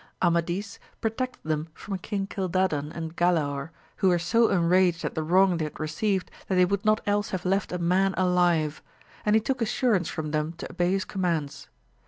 Amadis protected them from King Cildadan and Galaor, who were so enraged at the wrong they had received that they would not else have left a man alive; and he took assurance from them to obey his commands.